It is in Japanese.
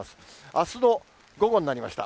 あすの午後になりました。